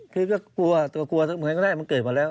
พี่ก็กลัวแต่วันแรกก็เกิดมาแล้ว